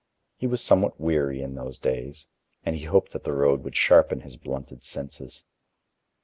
He was somewhat weary in those days and he hoped that the road would sharpen his blunted senses.